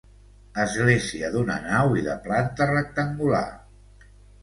Església d'una nau i de planta rectangular.